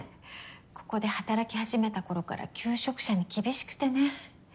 ここで働き始めた頃から求職者に厳しくてね。